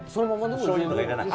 おしょうゆとか要らない。